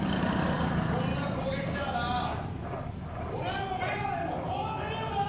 そんな攻撃じゃあな俺も眼鏡も壊せねえんだよ！